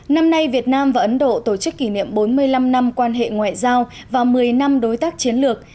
năm nay việt nam và ấn độ tổ chức kỷ niệm bốn mươi năm năm quan hệ ngoại giao và một mươi năm đối tác chiến lược